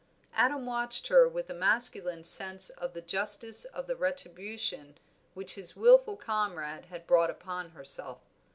Adam watched her with a masculine sense of the justice of the retribution which his wilful comrade had brought upon herself.